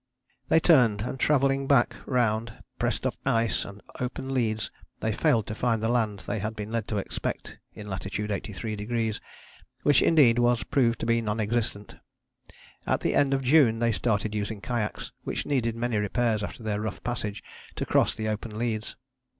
They turned, and travelling back round pressed up ice and open leads they failed to find the land they had been led to expect in latitude 83°, which indeed was proved to be non existent. At the end of June they started using the kayaks, which needed many repairs after their rough passage, to cross the open leads.